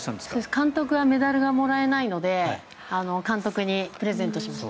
監督はメダルがもらえないので監督にプレゼントしました。